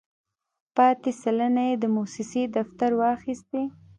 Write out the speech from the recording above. پاتې سلنه یې د موسسې دفتر واخیستې.